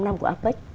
tám năm của apec